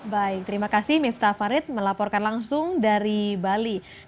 baik terima kasih miftah farid melaporkan langsung dari bali